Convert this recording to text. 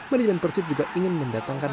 manajemen persib juga ingin mendatangkan